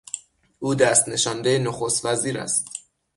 او دست نشانده نخستوزیر است.